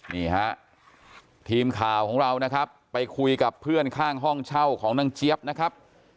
นี่ฮะทีมข่าวของเรานะครับไปคุยกับเพื่อนข้างห้องเช่าของนางเจี๊ยบนะครับ